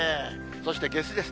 そして、夏至です。